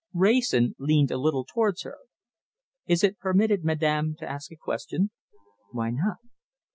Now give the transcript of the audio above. Wrayson leaned a little towards her. "Is it permitted, Madame, to ask a question?" "Why not?"